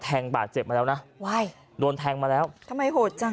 บาดเจ็บมาแล้วนะว้ายโดนแทงมาแล้วทำไมโหดจัง